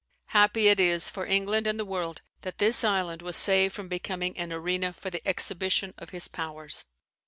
Happy it is for England and the world that this island was saved from becoming an arena for the exhibition of his powers.